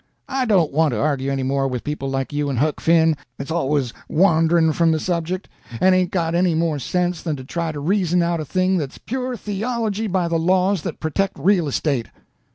"I don't want to argue any more with people like you and Huck Finn, that's always wandering from the subject, and ain't got any more sense than to try to reason out a thing that's pure theology by the laws that protect real estate!"